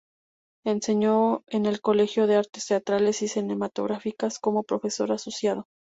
Enseñó en el Colegio de Artes Teatrales y Cinematográficas como profesor asociado.